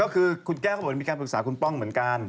ก็คือคุณแก้วก็บอกว่ามีการปรึกษาคุณป้องเหมือนกัน